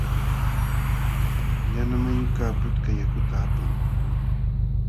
Yanamayukaq putka yakuta apan.